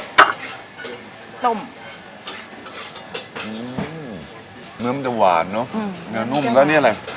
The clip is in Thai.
อืมเนื้อมันจะหวานเนอะเนื้อนุ่มแล้วนี่อะไร